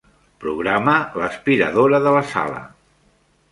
Programa l'aspiradora de la sala.